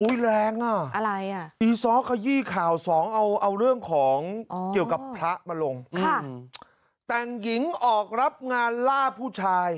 แรงอ่ะอะไรอ่ะอีซ้อขยี้ข่าวสองเอาเอาเรื่องของเกี่ยวกับพระมาลงแต่งหญิงออกรับงานล่าผู้ชาย